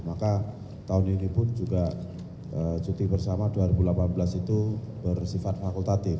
maka tahun ini pun juga cuti bersama dua ribu delapan belas itu bersifat fakultatif